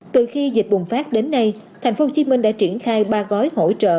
từ khi dịch bùng phát đến nay thành phố hồ chí minh đã triển khai ba gói hỗ trợ